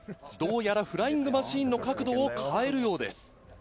どうやらフライングマシンの角度を変えるようです。